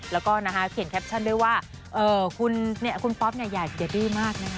แล้วก็เขียนแคปชั่นด้วยว่าคุณป๊อปอย่าดื้อมากนะคะ